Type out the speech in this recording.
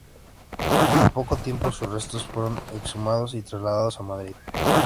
Al poco tiempo sus restos fueron exhumados y trasladados a Madrid.